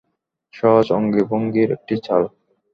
সহজ অঙ্গভঙ্গির একটি চাল।